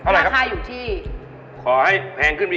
มาค่าอยู่ที่เอาละครับ